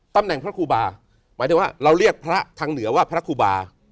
ตำแหน่งพระครูบาหมายถึงว่าเราเรียกพระทางเหนือว่าพระครูบา